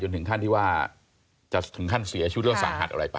ถึงขั้นที่ว่าจะถึงขั้นเสียชีวิตเรื่องสาหัสอะไรไป